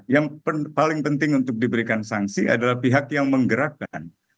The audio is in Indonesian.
yang paling penting untuk diberikan sanksi adalah pihak yang menggerakkan